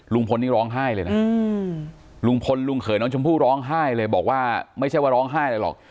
ลุงพลนี่ร้องไห้เลยนะลุงพลลุงเขยน้องชมพู่ร้องไห้เลยบอกว่าไม่ใช่ว่าร้องไห้อะไรหรอก